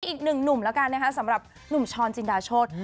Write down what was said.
อีกหนึ่งหนุ่มแล้วกันนะคะสำหรับหนุ่มช้อนจินดาโชธ